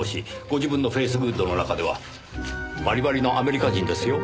ご自分のフェイスグッドの中ではバリバリのアメリカ人ですよ。